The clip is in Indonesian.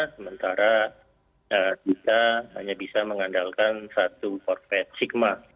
sementara kita hanya bisa mengandalkan satu korped sigma